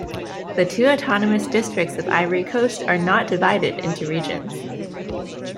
The two autonomous districts of Ivory Coast are not divided into regions.